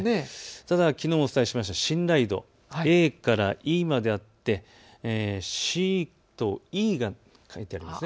ただきのうもお伝えした信頼度ＡからＥまであってＣとＥになっています。